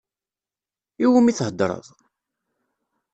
Iwumi theddṛeḍ?